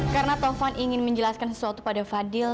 karena ketaufan ingin menjelaskan sesuatu pada fadil